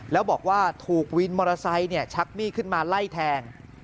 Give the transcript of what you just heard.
แล้วบอกว่าถูกวินมอเตอร์ไซค์ชักมีดขึ้นมาไล่แทง